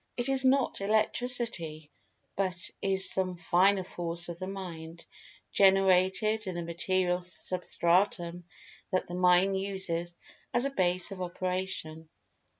It is not Electricity, but is some Finer Force of the Mind, generated in the material substratum that the Mind uses as a base of operation.